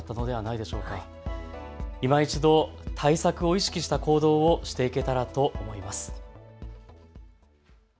いま一度、対策を意識した行動をしていけたらと思います。